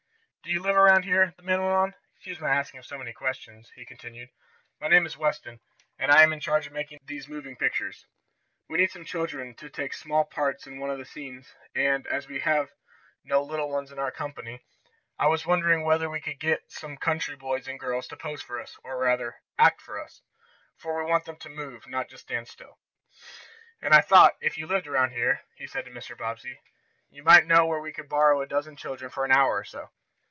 "Do you live around here?" the man went on. "Excuse my asking you so many questions," he continued. "My name is Weston, and I have charge of making these moving pictures. We need some children to take small parts in one of the scenes, and, as we have no little ones in our company, I was wondering whether we could not get some country boys and girls to pose for us, or, rather, act for us, for we want them to move, not to just stand still. And I thought if you lived around here," he said to Mr. Bobbsey, "you might know where we could borrow a dozen children for an hour or so."